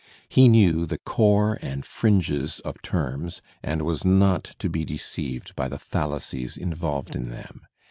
He knew the core and fringes of terms and was not to be deceived by the fallacies involved in them.